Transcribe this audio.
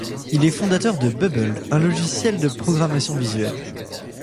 Il est fondateur de Bubble, un logiciel de programmation visuelle.